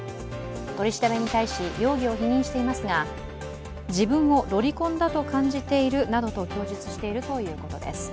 取り調べに対し容疑を否認していますが、自分をロリコンだと感じているなどと供述しているということです。